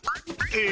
え？